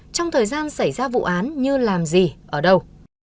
trong thời gian xảy ra vụ án như làm gì ở đâu